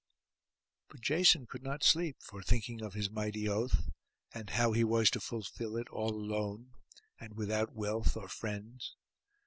But Jason could not sleep for thinking of his mighty oath, and how he was to fulfil it, all alone, and without wealth or friends.